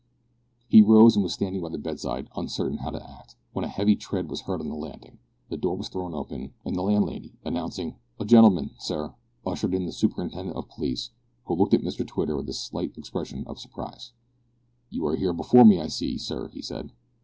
He rose, and was standing by the bedside, uncertain how to act, when a heavy tread was heard on the landing, the door was thrown open, and the landlady, announcing "a gentleman, sir," ushered in the superintendent of police, who looked at Mr Twitter with a slight expression of surprise. "You are here before me, I see, sir," he said.